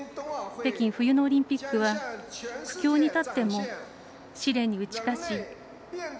北京冬のオリンピックは苦境に立っても試練に打ち勝ち